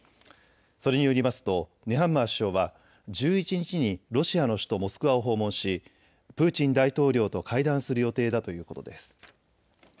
それによりますとネハンマー首相は１１日にロシアの首都モスクワを訪問しプーチン大統領と会談する予定だということです。